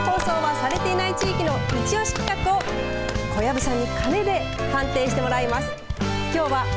全国放送はされていない地域のいち押し企画を小籔さんに鐘で判定してもらいます。